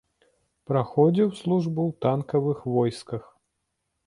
Праходзіў службу ў танкавых войсках.